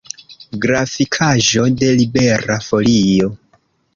Grafikaĵo de Libera Folio.